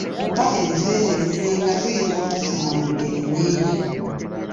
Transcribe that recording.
Obubaka ebiseera ebisinga tuyinza okubufuna mu ngeri nyingi.